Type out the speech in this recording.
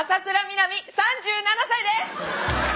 南３７歳です。